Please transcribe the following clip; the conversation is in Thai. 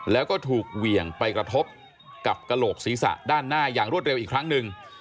แล้วก็ถูกเหวี่ยงไปกระทบกับกระโหลกศีรษะด้านหน้าอย่างรวดเร็วอีกครั้งหนึ่ง